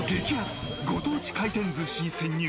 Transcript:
ご当地回転寿司に潜入！